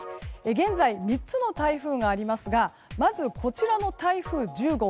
現在３つの台風がありますがまず台風１０号